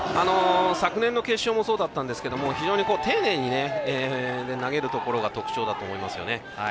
昨年の決勝もそうだったんですけど非常に丁寧に投げるところが特徴だと思いますよね。